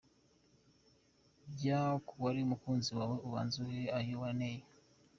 Jya ku wari umukunzi wawe ubanze uhehe ayo waneye.